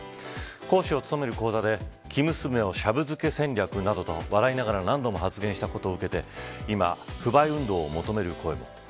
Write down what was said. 講師を務める講座で生娘をシャブ漬け戦略などと笑いながら何度も発言したことを受けて今、不買運動を求める声も。